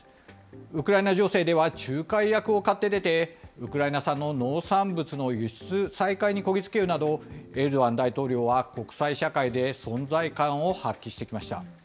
ウクライナ情勢では仲介役を買って出て、ウクライナ産の農産物の輸出再開にこぎつけるなど、エルドアン大統領は国際社会で存在感を発揮してきました。